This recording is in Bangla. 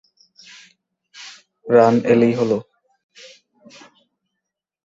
রান এলেই হলো।